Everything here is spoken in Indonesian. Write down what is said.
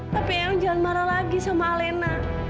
tapi emang jangan marah lagi sama alena